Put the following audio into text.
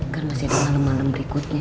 kan masih ada malem malem berikutnya